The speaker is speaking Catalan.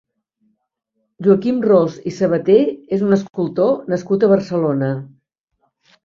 Joaquim Ros i Sabaté és un escultor nascut a Barcelona.